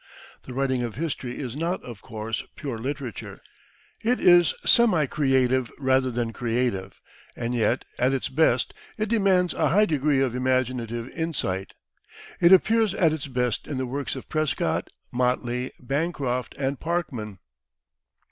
The writing of history is not, of course, pure literature; it is semi creative rather than creative; and yet, at its best, it demands a high degree of imaginative insight. It appears at its best in the works of Prescott, Motley, Bancroft and Parkman.